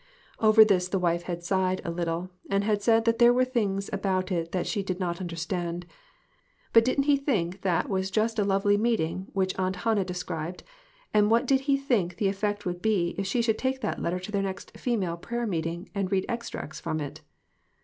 Over this the wife had sighed a little, and had said that there were things about it that she did not understand; but didn't he think that was just a lovely meeting which Aunt Hannah described, and what did he think the effect would be if she should take that letter to their next "female" prayer meeting and read extracts from it?